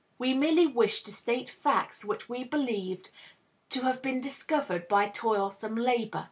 We merely wished to state facts which we believe to have been discovered by toilsome labor.